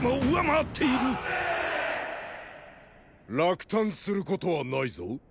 落胆することはないぞ。